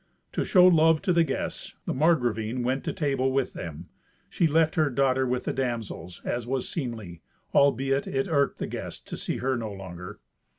To show love to the guests, the Margravine went to table with them. She left her daughter with the damsels, as was seemly, albeit it irked the guests to see her no longer.